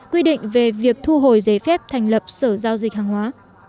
quy định về việc thu hồi giấy phép thành lập sở giao dịch hàng hóa